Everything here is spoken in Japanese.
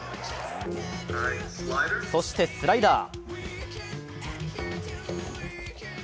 そしてスライダー。